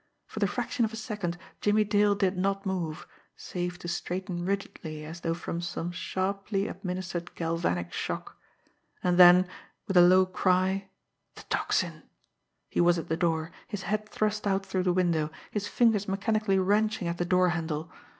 For the fraction of a second Jimmie Dale did not move, save to straighten rigidly as though from some sharply administered galvanic shock; and then, with a low cry "the Tocsin!" he was at the door, his head thrust out through the window, his fingers mechanically wrenching at the door handle.